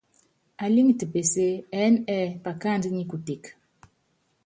Alíŋiti pesée, ɛɛ́n ɛ́ɛ́ akáandú nyi kuteke.